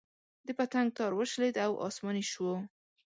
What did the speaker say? د پتنګ تار وشلېد او اسماني شو.